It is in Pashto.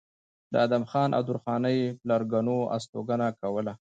د ادم خان او درخانۍ پلرګنو استوګنه کوله